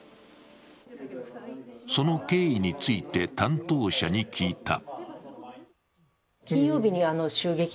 その経緯について、担当者に聞いた。